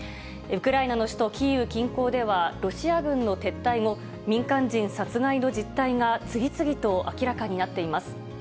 ウクライナの首都キーウ近郊では、ロシア軍の撤退後、民間人殺害の実態が次々と明らかになっています。